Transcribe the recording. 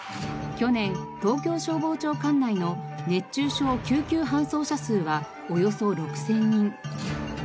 去年東京消防庁管内の熱中症救急搬送者数はおよそ６０００人。